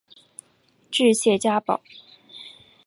治谢家堡。